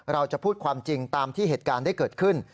เราจะพูดความจริงตามที่เหตุการณ์ได้เกิดขึ้น